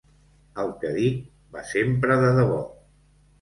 El què dic va sempre de debò.